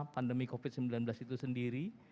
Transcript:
pandemi covid sembilan belas itu sendiri